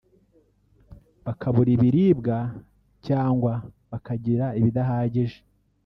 bakabura ibiribwa cyangwa bakagira ibidahagije